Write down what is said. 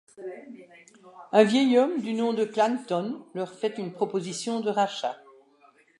Un vieil homme du nom de Clanton leur fait une proposition de rachat.